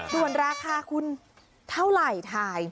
ส่วนราคาคุณเท่าไหร่ถ่าย